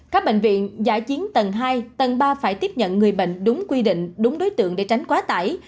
các bệnh viện giả chiến tầng hai tầng ba phải tiếp nhận người bệnh đúng quy định đúng đối tượng để tránh quá tải